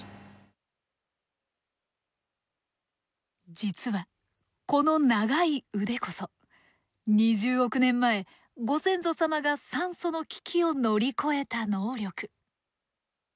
実はこの長い腕こそ２０億年前ご先祖様が酸素の危機を乗り越えた能力。